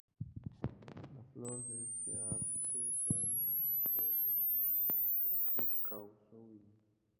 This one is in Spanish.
La flor de este árbol es la flor emblema de Cantón y de Kaohsiung.